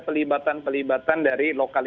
pelibatan pelibatan dari local